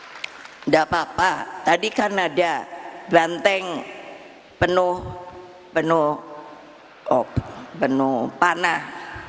tidak apa apa tadi kan ada banteng penuh penuh panah